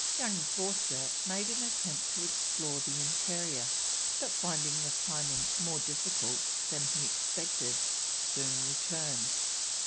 Young Forster made an attempt to explore the interior, but finding the climbing more difficult than he expected, soon returned.